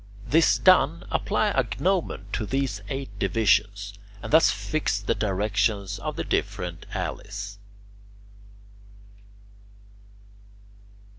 This done, apply a gnomon to these eight divisions and thus fix the directions of the different alleys.